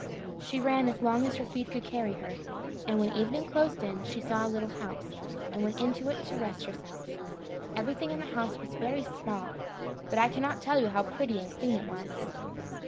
She ran as long as her feet could carry her, and when evening closed in, she saw a little house, and went into it to rest herself. Everything in the house was very small, but I cannot tell you how pretty and clean it was.